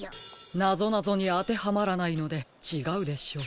なぞなぞにあてはまらないのでちがうでしょう。